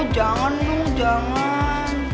jangan dong jangan